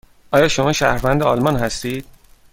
آیا شما شهروند آلمان هستید؟